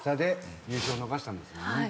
優勝逃したんですもんね。